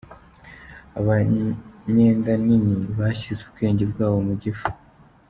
Abanyenda nini « bashyize ubwenge bwabo mu gifu »